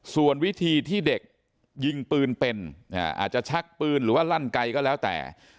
ส่วนวิธีที่เด็กยิงปืนเป็นอาจจะชักปืนหรือว่าลั่นไกลก็แล้วแต่